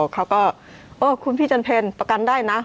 เขาก็คุณพี่จันเพลประกันได้นะ